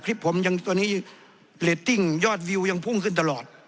คลิปผมตอนนี้ยอดวิวยังพุ่งขึ้นตลอด